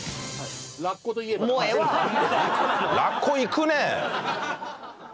ラッコいくね！